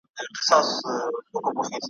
دلته یې بشپړه بڼه لوستلای سئ `